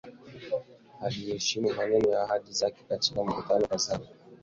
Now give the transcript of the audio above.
Aliyeheshimu maneno na ahadi zake katika mikutano kadhaa ambayo imefanyika."